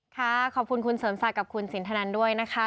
ค่ะขอบคุณคุณเสริมศักดิ์กับคุณสินทนันด้วยนะคะ